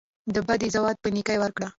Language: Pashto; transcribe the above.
د بدۍ ځواب په نیکۍ ورکړه.